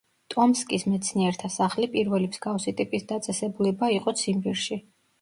ტომსკის მეცნიერთა სახლი პირველი მსგავსი ტიპის დაწესებულება იყო ციმბირში.